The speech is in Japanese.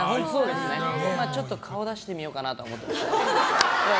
ちょっと顔出してみようかなとは思ってます。